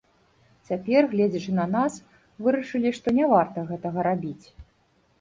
Цяпер, гледзячы на нас, вырашылі, што не варта гэтага рабіць.